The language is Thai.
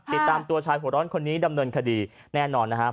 ติดตามตัวชายหัวร้อนคนนี้ดำเนินคดีแน่นอนนะครับ